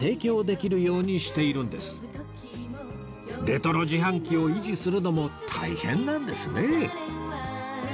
レトロ自販機を維持するのも大変なんですね